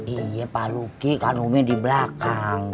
iya pak luki kak rumi di belakang